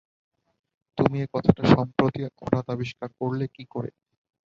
তুমি এ কথাটা সম্প্রতি হঠাৎ আবিষ্কার করলে কী করে?